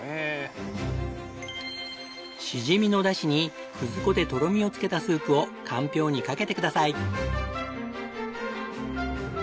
シジミのだしに葛粉でとろみをつけたスープをかんぴょうにかけてください。